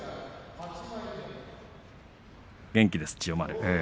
元気です千代丸。